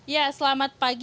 ya selamat pagi